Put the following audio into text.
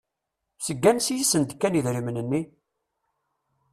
Seg ansi i sent-d-kan idrimen-nni?